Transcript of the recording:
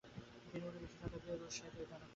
তিনি ঊনবিংশ শতকে রুশ সাহিত্যের জনক হয়ে ওঠেন।